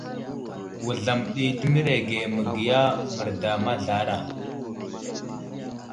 Wuzlam ɗi təmerege məgiya merda mazlara.